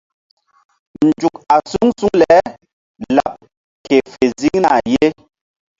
Nzuk a suŋ suŋ le laɓ ke fe ziŋ na ye.